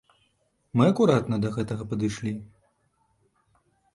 Мы акуратна да гэтага падышлі.